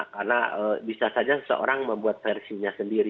karena bisa saja seseorang membuat versinya sendiri